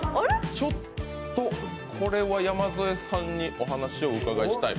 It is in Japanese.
ちょっと、これは山添さんにお話をお伺いしたい。